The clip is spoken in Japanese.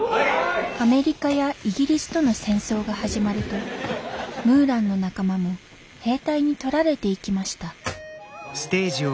アメリカやイギリスとの戦争が始まるとムーランの仲間も兵隊にとられていきました